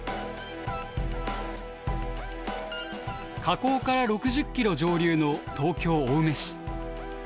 河口から６０キロ上流の東京・青梅市。